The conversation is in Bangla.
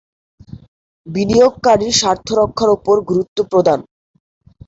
ঘ. বিনিয়োগকারীর স্বার্থ রক্ষার ওপর গুরুত্ব প্রদান